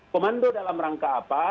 komando dalam rangka apa